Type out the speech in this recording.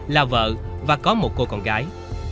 là vợ và có một cô con gái